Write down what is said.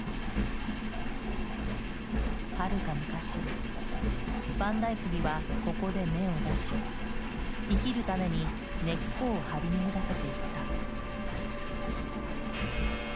はるか昔万代杉はここで芽を出し生きるために根っこを張り巡らせていった。